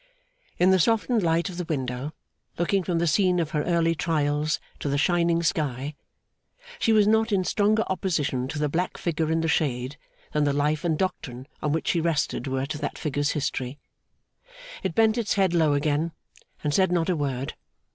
In the softened light of the window, looking from the scene of her early trials to the shining sky, she was not in stronger opposition to the black figure in the shade than the life and doctrine on which she rested were to that figure's history. It bent its head low again, and said not a word.